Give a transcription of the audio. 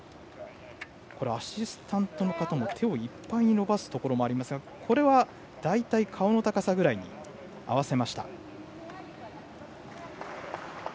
アシスタントの方も手をいっぱい伸ばすところもありますがこれは、大体顔の高さぐらいに合わせました。